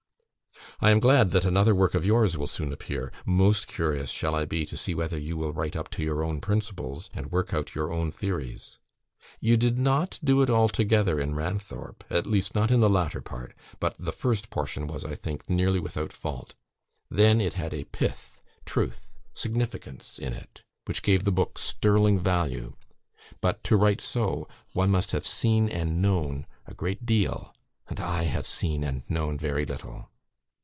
"I am glad that another work of yours will soon appear; most curious shall I be to see whether you will write up to your own principles, and work out your own theories. You did not do it altogether in 'Ranthorpe' at least not in the latter part; but the first portion was, I think, nearly without fault; then it had a pith, truth, significance in it, which gave the book sterling value; but to write so, one must have seen and known a great deal, and I have seen and known very little.